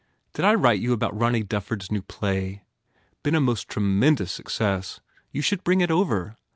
Did I write you about Ronny Dufford s new play? Been a most tremendous success. You should bring it over.